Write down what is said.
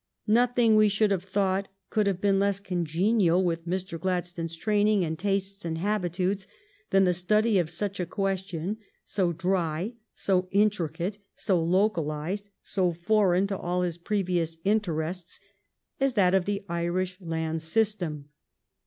Nothing, we should have thought, could have been less congenial with Mr. Gladstone's training and tastes and habitudes than the study of such a question, so dry, so intricate, so localized, so foreign to all his previous interests, as that of the Irish land system.